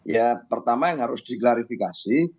ya pertama yang harus diklarifikasi